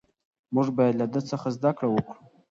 موږ باید له ده څخه زده کړه وکړو.